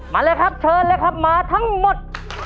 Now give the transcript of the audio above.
มาเลยครับเชิญเลยครับมาทั้งหมด